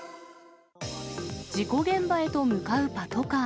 事故現場へと向かうパトカー。